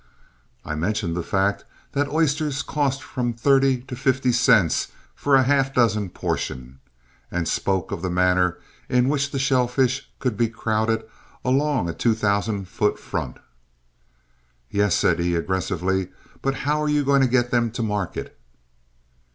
I mentioned the fact that oysters cost from thirty to fifty cents for a half dozen portion, and spoke of the manner in which the shellfish could be crowded along a 2,000 foot front. "Yes," said E , aggressively, "but how are you going to get them to market?"